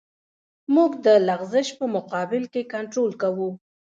موږ د لغزش په مقابل کې کنټرول کوو